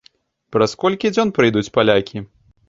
Праз колькі дзён прыйдуць палякі.